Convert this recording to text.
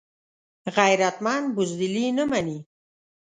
غیرتمند بزدلي نه مني